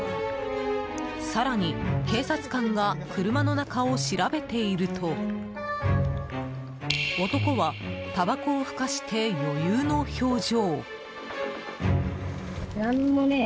更に警察官が車の中を調べていると男は、たばこをふかして余裕の表情。